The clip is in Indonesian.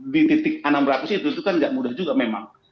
di titik enam ratus itu itu kan tidak mudah juga memang